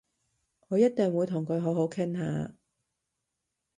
我一定會同佢好好傾下